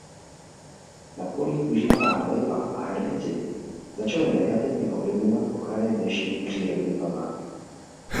Na polích užívaná hnojiva a herbicidy začaly negativně ovlivňovat okraje dnešní přírodní památky.